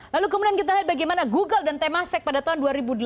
lalu kemudian kita lihat bagaimana google dan temasek pada tahun dua ribu delapan belas